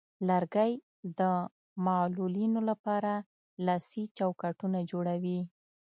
لرګی د معلولینو لپاره لاسي چوکاټونه جوړوي.